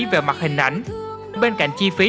về mặt hình ảnh bên cạnh chi phí